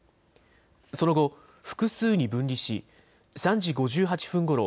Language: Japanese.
その後、複数に分離し３時５８分ごろ